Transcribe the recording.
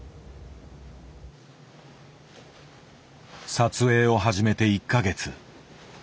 撮影を始めて１か月。